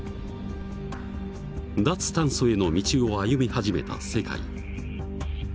脱炭素への道を歩み始めた世界。